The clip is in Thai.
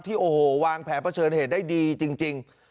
ที่โอโหวางแผลประเถิดเหตุได้ดีจริง